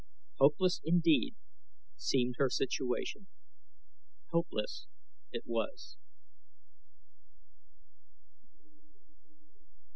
Hopeless indeed seemed her situation hopeless it was.